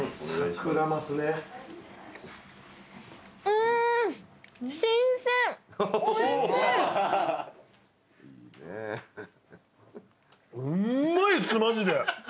うまいっすマジで。